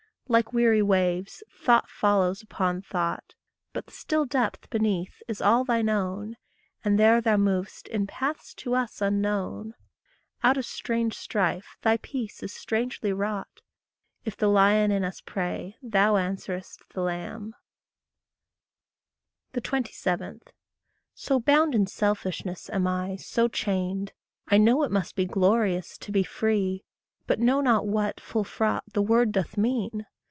Like weary waves thought follows upon thought, But the still depth beneath is all thine own, And there thou mov'st in paths to us unknown. Out of strange strife thy peace is strangely wrought; If the lion in us pray thou answerest the lamb. 27. So bound in selfishness am I, so chained, I know it must be glorious to be free But know not what, full fraught, the word doth mean.